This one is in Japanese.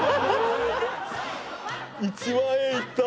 １万円いった！